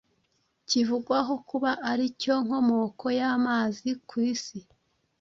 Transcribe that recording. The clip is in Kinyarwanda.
kivugwaho kuba ari cyo nkomoko y’amazi ku Isi